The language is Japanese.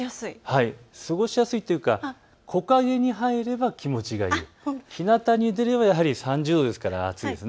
過ごしやすいというか、木陰に入れば気持ちがいい、ひなたに出ればやはり３０度ですから暑いです。